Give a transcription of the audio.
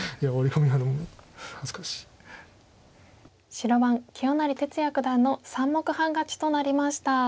白番清成哲也九段の３目半勝ちとなりました。